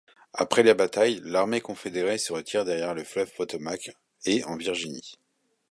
Après la bataille, l'armée confédérée se retire derrière le fleuve Potomac et en Virginie.